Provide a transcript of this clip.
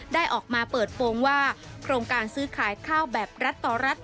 ได้ออกมาเปิดโปรงว่าโครงการซื้อขายข้าวแบบรัฐต่อรัฐ